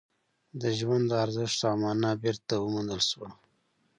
د ژوند ارزښت او مانا بېرته وموندل شوه